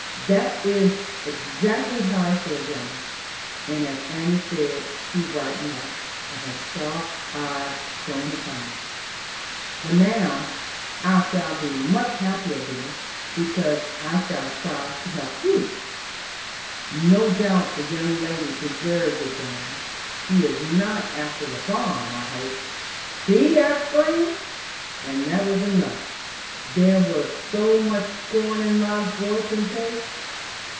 'That is exactly how I feel, John.' and as Annie said it she brightened up, and her soft eyes shone upon me; 'but now I shall be much happier, dear; because I shall try to help you. No doubt the young lady deserves it, John. She is not after the farm, I hope?' 'She!' I exclaimed; and that was enough, there was so much scorn in my voice and face.